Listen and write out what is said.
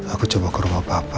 aku coba ke rumah bapak